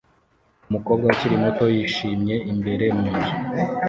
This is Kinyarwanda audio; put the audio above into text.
Umukobwa ukiri muto yishimye imbere mu nzu